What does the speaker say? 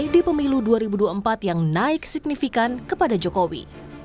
di pemilu dua ribu dua puluh empat yang naik signifikan kepada jokowi